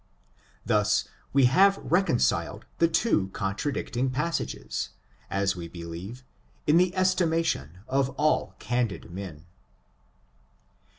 Thus we have re conciled the two contradicting passages, as we be lieve, in the estimation of all candid men.